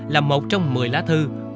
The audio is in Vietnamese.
là một trong một mươi lá thư